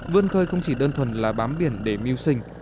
vươn khơi không chỉ đơn thuần là bám biển để mưu sinh